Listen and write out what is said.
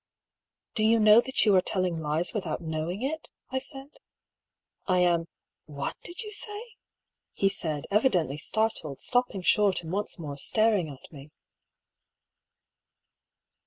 136 1>B. PAULL'S THEORY. "Do you know that you are telling lies without knowing it?" I said. " I am What did you say ?" he said, evidently startled, stopping short and once more staring at me.